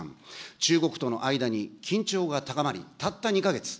中国との間に緊張が高まり、たった２か月。